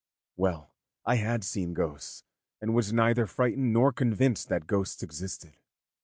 Well I had seen ghosts, and was neither frightened nor convinced that ghosts existed.